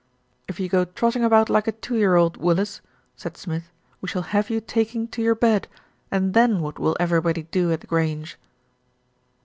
"If you go trotting about like a two year old, Willis," said Smith, "we shall have you taking to your bed, and then what will everybody do at The Grange?"